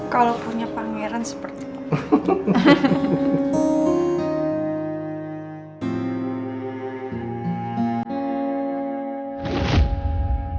kalau punya pangeran seperti itu